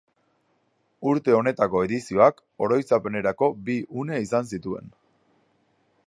Urte honetako edizioak oroitzapenerako bi une izan zituen.